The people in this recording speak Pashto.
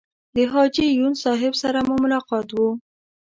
د حاجي یون صاحب سره مو ملاقات و.